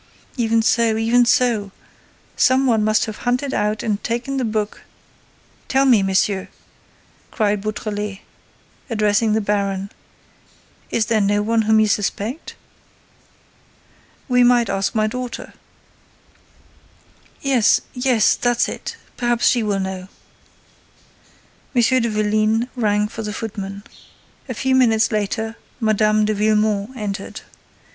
"Even so—even so—some one must have hunted out and taken the book—Tell me, monsieur," cried Beautrelet, addressing the baron, "is there no one whom you suspect?" "We might ask my daughter." "Yes—yes—that's it—perhaps she will know." M. de Vélines rang for the footman. A few minutes later, Mme. de Villemon entered.